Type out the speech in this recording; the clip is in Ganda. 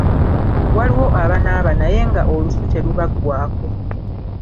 Waliwo abanaaba naye nga olusu telubaggwaako.